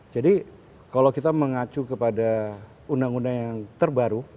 jadi kalau kita mengacu kepada undang undang yang terbaru